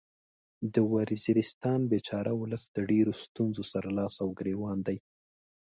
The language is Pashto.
د وزیرستان بیچاره ولس د ډیرو ستونځو سره لاس او ګریوان دی